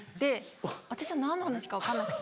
私は何の話か分かんなくて。